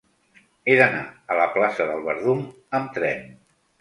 He d'anar a la plaça del Verdum amb tren.